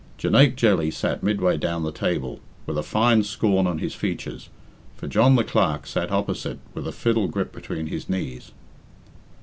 Jonaique Jelly sat midway down the table, with a fine scorn on his features, for John the Clerk sat opposite with a fiddle gripped between his knees.